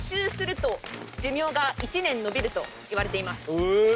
え！